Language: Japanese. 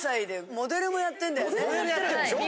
モデルもやってるんでしょ？